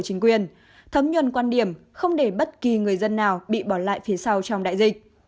chính quyền thấm nhuần quan điểm không để bất kỳ người dân nào bị bỏ lại phía sau trong đại dịch